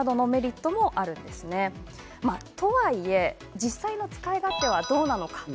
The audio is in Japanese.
実際の使い勝手はどうなのか